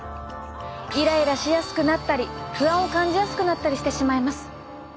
イライラしやすくなったり不安を感じやすくなったりしてしまいます。